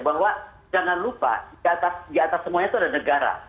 bahwa jangan lupa di atas semuanya itu ada negara